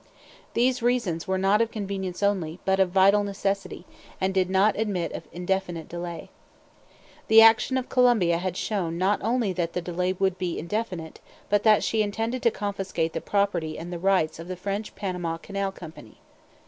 These reasons were not of convenience only, but of vital necessity, and did not admit of indefinite delay. The action of Colombia had shown not only that the delay would be indefinite, but that she intended to confiscate the property and rights of the French Panama Canal Company.